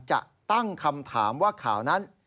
จะตั้งคำถามว่าข่าวนั้น